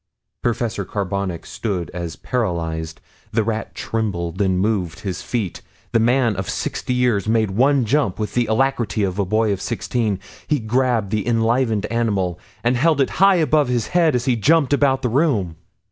Professor Carbonic stood as paralyzed. The rat trembled and moved his feet. The man of sixty years made one jump with the alacrity of a boy of sixteen, he grabbed the enlivened animal, and held it high above his head as he jumped about the room.